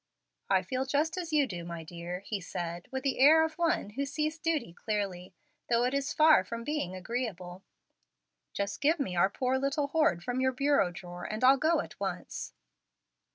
"I feel just as you do, my dear," he said, with the air of one who sees duty clearly, though it is far from being agree able. "Just give me our poor little hoard from your bureau drawer, and I'll go at once."